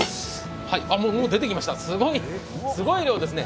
もう出てきました、すごい量ですね。